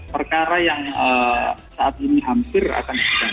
perkara yang saat ini hampir akan